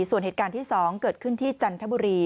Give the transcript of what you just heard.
ส่วนเหตุการณ์ที่๒เกิดขึ้นที่จันทบุรี